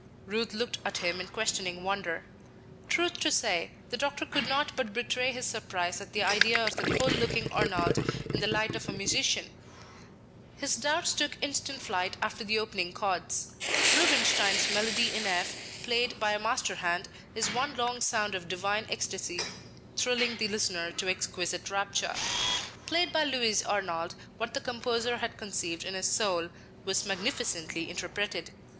Ruth looked at him in questioning wonder. Truth to say, the doctor could not but betray his surprise at the idea of the cold looking Arnold in the light of a musician; his doubts took instant flight after the opening chords. Rubenstein's Melody in F, played by a master hand, is one long sound of divine ecstasy thrilling the listener to exquisite rapture. Played by Louis Arnold, what the composer had conceived in his soul was magnificently interpreted.